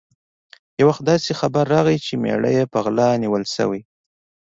یو وخت داسې خبر راغی چې مېړه یې په غلا نیول شوی.